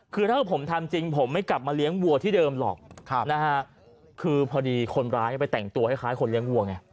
คือถ้าผมทำจริงผมไม่กลับมาเลี้ยงวัวที่เดิมหรอกนะฮะคือพอดีคนร้ายไปแต่งตัวคล้ายคนเลี้ยงวัวไง